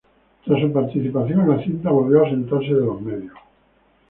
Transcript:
Tras su participación en la cinta volvió a ausentarse de los medios.